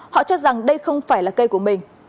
họ cho rằng đây không phải là cây của mình